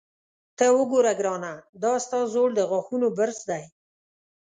ته وګوره ګرانه، دا ستا زوړ د غاښونو برس دی.